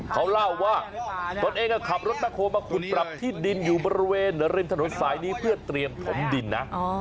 เขาเล่าว่าตัวเองก็ขับรถตะโคมาขุดปรับที่ดินอยู่บริเวณเหนือเร่มถนนสายนี้เพื่อเตรียมถมดินนะอ๋อ